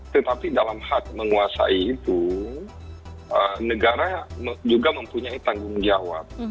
tetapi dalam hak menguasai itu negara juga mempunyai tanggung jawab